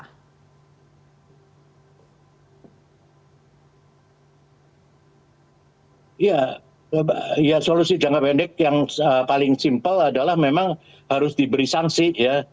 hai ya iya solusi jangka pendek yang paling simpel adalah memang harus diberi sanksi ya